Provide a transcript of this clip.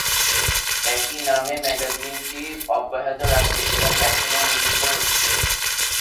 একই নামে ম্যাগাজিনটি অব্যাহত রাখে এবং এখনও মুদ্রিত হচ্ছে।